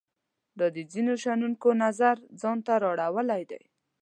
دا د ځینو شنونکو نظر ځان ته اړولای دی.